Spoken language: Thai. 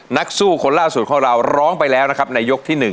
นักสู้คนล่าสุดของเราร้องไปแล้วนะครับในยกที่๑